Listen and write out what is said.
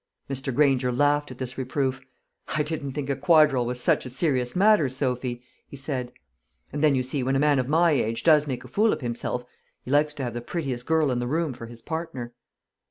Mr. Granger laughed at this reproof. "I didn't think a quadrille was such a serious matter, Sophy," he said. "And then, you see, when a man of my age does make a fool of himself, he likes to have the prettiest girl in the room for his partner."